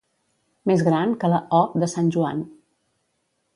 Més gran que la «o» de sant Joan.